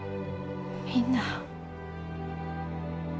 みんな。